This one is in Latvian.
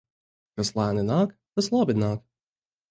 Kas lēni nāk, tas labi nāk.